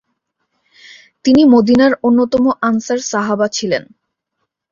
তিনি মদীনার অন্যতম আনসার সাহাবা ছিলেন।